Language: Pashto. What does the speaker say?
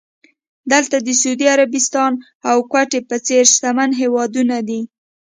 دلته د سعودي عربستان او کوېټ په څېر شتمن هېوادونه دي.